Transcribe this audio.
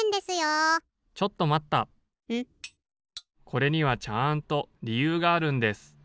・これにはちゃんとりゆうがあるんです。